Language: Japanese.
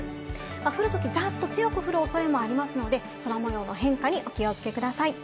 降る時はザッと強く降る恐れもありますので、空模様の変化にお気をつけください。